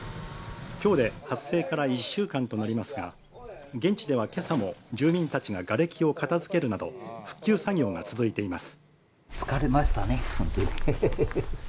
今日で発生から１週間となりますが、現地では今朝も住民たちが、がれきを片付けるなど、復旧作業が続いています。